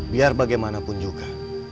biar bagaimanapun juga